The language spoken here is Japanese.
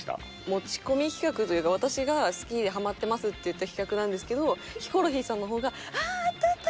持ち込み企画というか私が好きでハマってますって言った企画なんですけどヒコロヒーさんの方があああったあった！